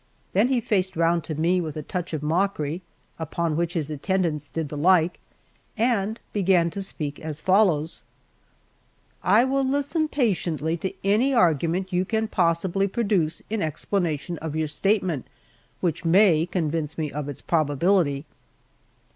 Then he faced round to me with a touch of mockery, upon which his attendants did the like, and began to speak as follows: "I will listen patiently to any argument you can possibly produce in explanation of your statement, which may convince me of its probability."